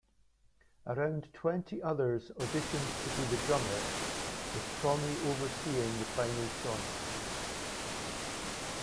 Around twenty others auditioned to be the drummer, with Tommy overseeing the final choice.